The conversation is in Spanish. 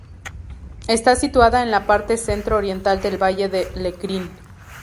Está situada en la parte centro-oriental del Valle de Lecrín.